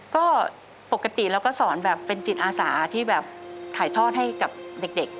ก็ปกติเราก็สอนแบบเป็นจิตอาสาที่แบบถ่ายทอดให้กับเด็ก